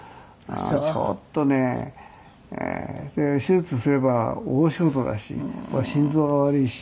手術すれば大仕事だし心臓は悪いし。